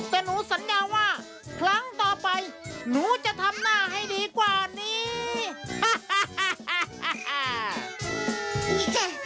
แต่หนูสัญญาว่าครั้งต่อไปหนูจะทำหน้าให้ดีกว่านี้